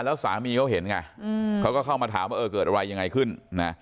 แล้วสามีเขาเห็นไงเขาก็เข้ามาถามว่าเออเกิดอะไรยังไงขึ้นนะ